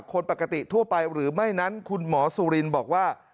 คนปกติทั่วไปหรือไม่นั้นคุณหมอสุรินบอกว่า